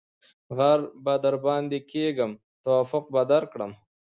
ـ غر به درباندې کېږم توافق به درکړم.